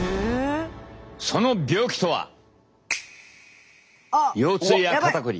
その病気とは。えっ！